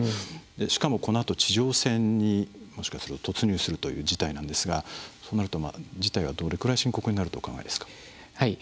しかも、このあと地上戦にもしかすると突入するという事態なんですが、そうなると事態は、どれぐらい深刻になるとお考えですか？